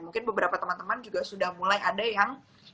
mungkin beberapa teman teman juga sudah mulai ada yang